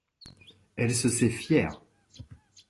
Elle se fait fière.